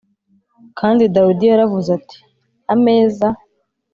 Kandi dawidi yaravuze ati ameza